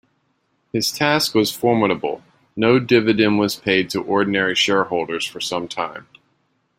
His task was formidable; no dividend was paid to ordinary shareholders for some time.